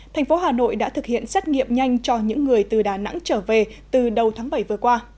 thành phố hà nội đã thực hiện xét nghiệm nhanh cho những người từ đà nẵng trở về từ đầu tháng bảy vừa qua